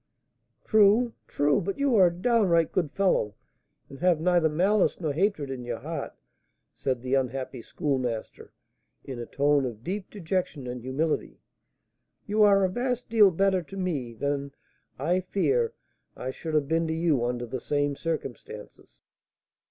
"True, true. But you are a downright good fellow, and have neither malice nor hatred in your heart," said the unhappy Schoolmaster, in a tone of deep dejection and humility. "You are a vast deal better to me than, I fear, I should have been to you under the same circumstances."